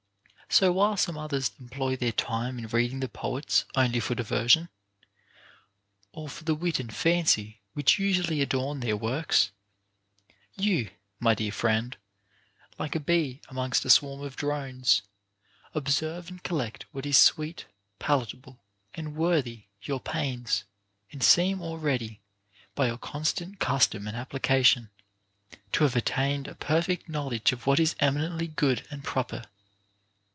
So, while some others employ their time in reading the poets only for diversion, or for the wit and fancy which usually adorn their works, you (my dear friend) like a bee amongst a swarm of drones, observe and collect what is sweet, palatable, and worthy your pains, and seem already, by your constant custom and application, to have attained a perfect knowledge of what is eminently good and proper.